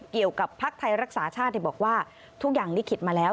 เกี่ยวกับภาคไทยรักษาชาติที่บอกว่าทุกอย่างลิขิตมาแล้ว